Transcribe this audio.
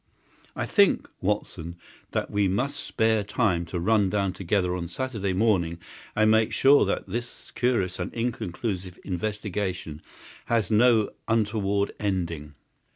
I think, Watson, that we must spare time to run down together on Saturday morning, and make sure that this curious and inconclusive investigation has no untoward ending."